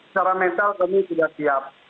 secara mental kami sudah siap